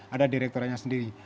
ada direkturannya sendiri